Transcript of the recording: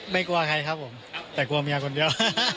กลัวใครครับผมแต่กลัวเมียคนเดียว